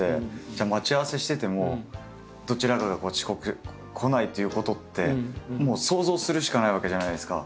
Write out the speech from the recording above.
じゃあ待ち合わせしててもどちらかが遅刻来ないっていうことってもう想像するしかないわけじゃないですか。